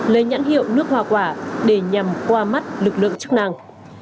lên nhãn hiệu nước hòa quả để nhằm qua mắt lực lượng chức năng